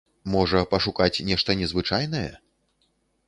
Можа, пашукаць нешта незвычайнае?